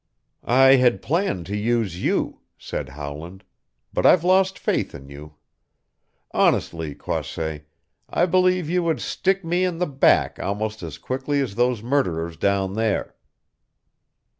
"I had planned to use you," said Howland, "but I've lost faith in you. Honestly, Croisset, I believe you would stick me in the back almost as quickly as those murderers down there."